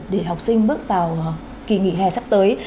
để học sinh bước vào kỳ nghỉ hè sắp tới